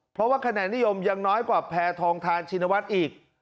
เพราะว่าคะแนนนิยมยังน้อยกว่าแพทองทานชินวัฒน์อีก